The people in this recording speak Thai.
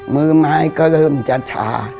มือไม้ก็เริ่มจะนั่น